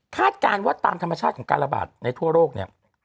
การว่าตามธรรมชาติของการระบาดในทั่วโลกเนี่ย